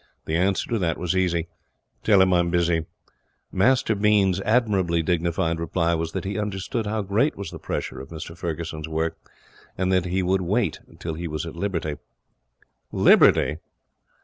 The answer to that was easy: 'Tell him I'm busy.' Master Bean's admirably dignified reply was that he understood how great was the pressure of Mr Ferguson's work, and that he would wait till he was at liberty. Liberty!